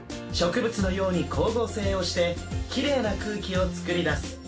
植物のように光合成をしてきれいな空気を作り出す。